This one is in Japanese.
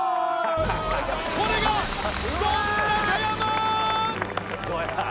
これがゴン中山！